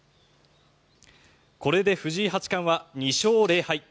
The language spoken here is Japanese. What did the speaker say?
これで藤井八冠は２勝０敗。